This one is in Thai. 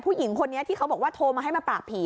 ผู้หญิงคนนี้ที่เขาบอกว่าโทรมาให้มาปราบผี